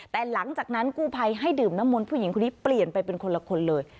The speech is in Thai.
แต่หลังจากนั้นกู้ภัยให้ดื่มน้ำมนต์ผู้หญิงคนนี้เปลี่ยนไปเป็นคนละคนเลย